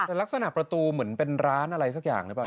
แต่ลักษณะประตูเหมือนเป็นร้านอะไรสักอย่างหรือเปล่า